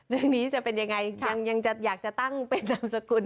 เรื่องนี้จะเป็นยังไงยังอยากจะตั้งเป็นนามสกุล